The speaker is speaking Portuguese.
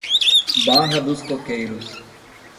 Barra dos Coqueiros